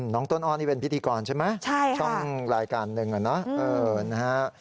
น้องต้นอ้อนี่เป็นพิธีกรใช่ไหมช่องรายการหนึ่งน่ะนะฮะใช่ค่ะ